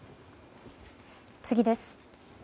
次です。